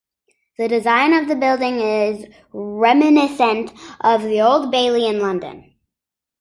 The design of the building is reminiscent of the Old Bailey in London.